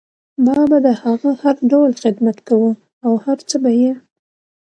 ما به د هغو هر ډول خدمت کوه او هر څه به یې